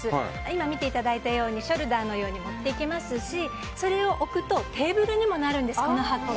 今見ていただいたようにショルダーのように持っていけますしそれを置くと箱がテーブルにもなるんです。